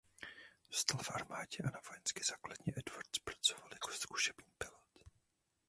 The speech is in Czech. Zůstal v armádě a na vojenské základně Edwards pracoval jako zkušební pilot.